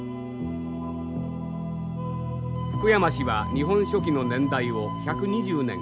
福山氏は「日本書紀」の年代を１２０年繰り下げてみた。